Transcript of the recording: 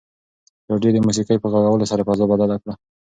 راډیو د موسیقۍ په غږولو سره فضا بدله کړه.